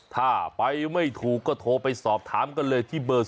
ถ้าไปไม่ถูกก็โทรไปสอบถามกันเลยที่เบอร์๒